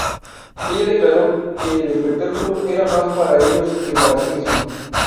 Ella declaró que el espectáculo era "más para ellos que para sí misma".